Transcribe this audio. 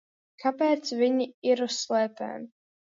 Kāpēc viņi ir uz slēpēm?